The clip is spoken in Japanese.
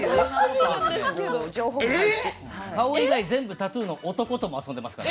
顔以外、全部タトゥーの男とも遊んでますから。